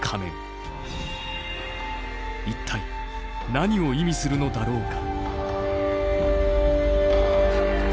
一体何を意味するのだろうか？